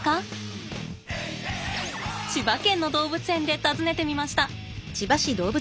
千葉県の動物園で尋ねてみました。